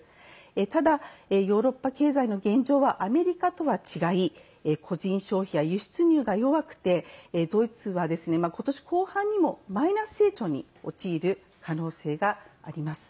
ただ、ヨーロッパ経済の現状はアメリカとは違い個人消費や輸出入が弱くてドイツは、今年後半にもマイナス成長に陥る可能性があります。